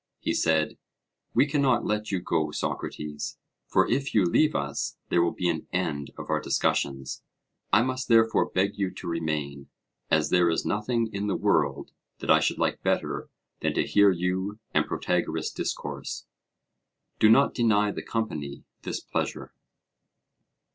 He said: We cannot let you go, Socrates, for if you leave us there will be an end of our discussions: I must therefore beg you to remain, as there is nothing in the world that I should like better than to hear you and Protagoras discourse. Do not deny the company this pleasure.